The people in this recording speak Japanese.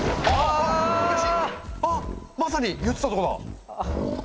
あまさに言ってたとこだ。